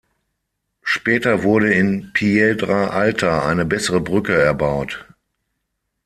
Später wurde in Piedra Alta eine bessere Brücke erbaut.